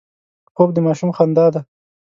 خوب د ماشوم خندا ده